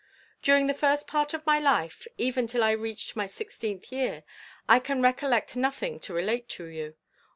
"During the first part of my life, even till I reached my sixteenth year, I can recollect nothing to relate to you.